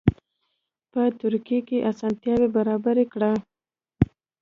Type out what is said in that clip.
په ترکیه کې اسانتیاوې برابرې کړي.